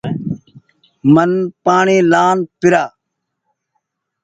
من پآڻيٚ لآن پيرآن